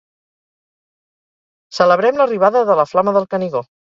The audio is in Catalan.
Celebrem l'arribada de la flama del Canigó